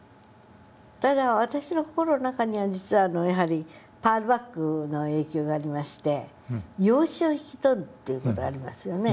ただ私の心の中には実はやはりパール・バックの影響がありまして養子を引き取るっていう事ありますよね。